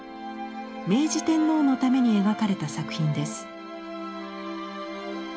明治天皇のために描かれた作品です。